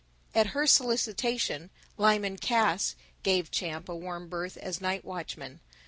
At her solicitation Lyman Cass gave Champ a warm berth as night watchman.